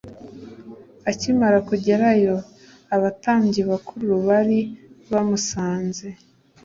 Akimara kugerayo, abatambyi bakuru bari bamusanze,